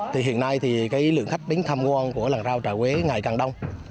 thì hiện nay thì cái lượng khách đến thăm ngon của làng rau trà quế ngày càng đông